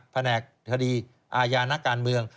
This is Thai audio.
แผนกคดีอาญานักการเมือง